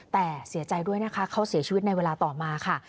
แต่เสียใจด้วยนะคะเขาเสียชีวิตในเวลาต่อมาค่ะ